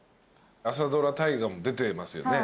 朝ドラ大河も出てますよね？